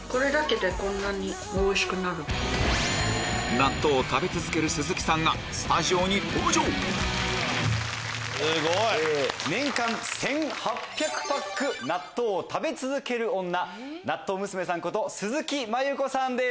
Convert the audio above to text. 納豆を食べ続ける鈴木さんが年間１８００パック納豆を食べ続ける女なっとう娘さんこと鈴木真由子さんです。